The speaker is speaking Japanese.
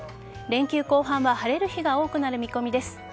連休後半は晴れる日が多くなる見込みです。